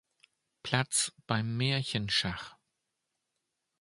Platz beim Märchenschach.